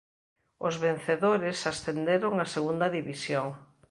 Os vencedores ascenderon a Segunda División.